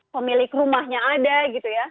pemilik rumahnya ada